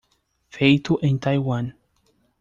Feito em Taiwan.